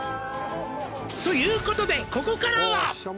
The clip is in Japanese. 「ということでここからは」